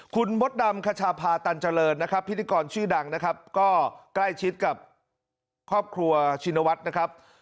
คุณมดดำคชาพาตันเจริญนะครับพิธีกรชื่อดังนะครับก็ใกล้ชิดกับครอบครัวชินวัฒน์นะครับ